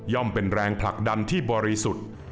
เป็นแรงผลักดันที่บริสุทธิ์